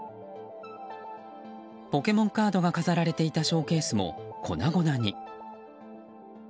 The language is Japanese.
ポケモンカードが飾られていたショーケースも粉々に。